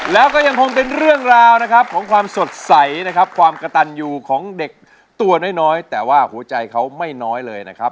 แล้วก็ยังคงเป็นเรื่องราวนะครับของความสดใสนะครับความกระตันอยู่ของเด็กตัวน้อยแต่ว่าหัวใจเขาไม่น้อยเลยนะครับ